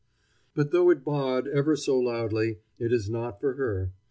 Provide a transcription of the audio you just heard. But though it baa a ever so loudly, it is not for her.